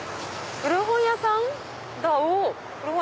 古本屋さんだ。